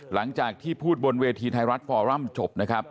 หลังจากที่พูดบนเวทีไทยรัฐฟอรัมจบนะครับ